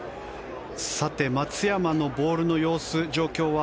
さて、松山のボールの様子状況は。